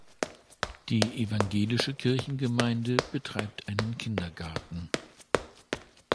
Die evangelische Kirchengemeinde betreibt einen Kindergarten.